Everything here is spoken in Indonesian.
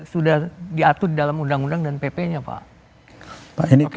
sudah diatur dalam undang undang dan pp nya pak